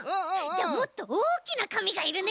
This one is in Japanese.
じゃあもっとおおきなかみがいるね。